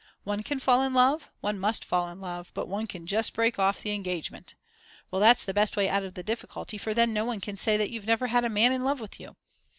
One can fall in love, one must fall in love, but one can just break off the engagement. Well, that's the best way out of the difficulty for then no one can say that you've never had a man in love with you.